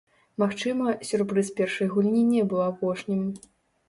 Магчыма, сюрпрыз першай гульні не быў апошнім.